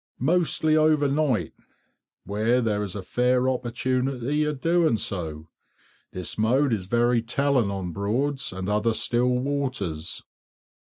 Mostly overnight, where there is a fair opportunity of doing so. This mode is very telling on Broads and other still waters. _8.